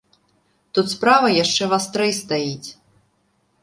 Тут справа яшчэ вастрэй стаіць.